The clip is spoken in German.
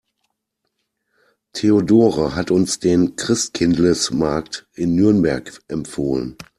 Theodora hat uns den Christkindlesmarkt in Nürnberg empfohlen.